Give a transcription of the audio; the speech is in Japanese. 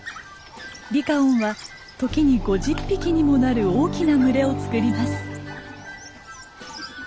リカオンは時に５０匹にもなる大きな群れをつくります。